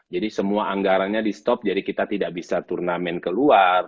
jadi semua anggarannya di stop jadi kita tidak bisa turnamen keluar